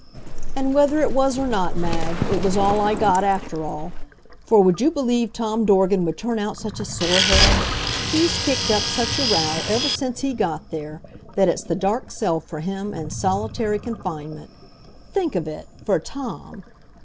And whether it was or not, Mag, it was all I got, after all. For would you believe Tom Dorgan would turn out such a sorehead? He's kicked up such a row ever since he got there, that it's the dark cell for him, and solitary confinement. Think of it for Tom!